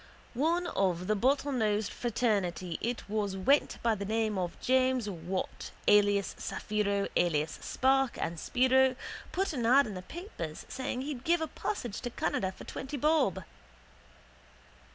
One of the bottlenosed fraternity it was went by the name of James Wought alias Saphiro alias Spark and Spiro, put an ad in the papers saying he'd give a passage to Canada for twenty bob.